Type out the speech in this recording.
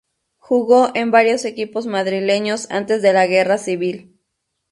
Jugó en varios equipos madrileños antes de la guerra civil.